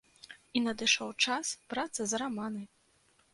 І надышоў час брацца за раманы!